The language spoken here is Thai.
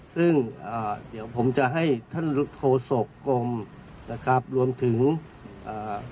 ซึ่งอ่าเดี๋ยวผมจะให้ท่านโฆษกรมนะครับรวมถึงอ่า